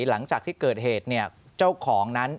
หลังจากที่เกิดเหตุเนี่ยเจ้าของนั้น